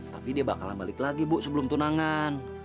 tapi dia bakalan balik lagi bu sebelum tunangan